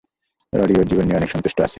রডি ওর জীবন নিয়ে অনেক সন্তুষ্ট আছে।